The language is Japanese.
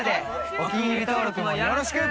お気に入り登録もよろしく！